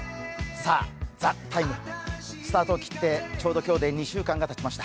「ＴＨＥＴＩＭＥ，」スタートを切ってちょうど今日で２週間がたちました。